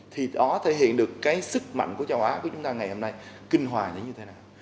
thì đó thể hiện được cái sức mạnh của châu á của chúng ta ngày hôm nay kinh hòa nó như thế nào